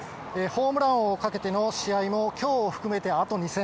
ホームラン王をかけての試合も今日を含めてあと２戦。